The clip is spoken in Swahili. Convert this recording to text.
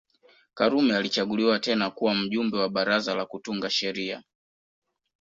Karume alichaguliwa tena kuwa Mjumbe wa Baraza la Kutunga Sheria